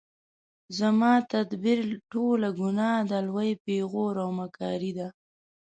زما تدبیر ټوله ګناه ده لوی پیغور او مکاري ده